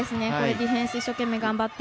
ディフェンス一生懸命頑張って。